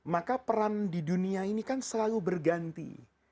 maka peran di dunia ini kan selalu berganti